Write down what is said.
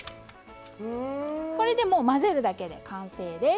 これでもう混ぜるだけで完成です。